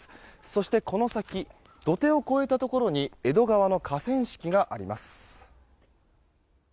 そしてこの先土手を越えたところに江戸川の河川敷があります。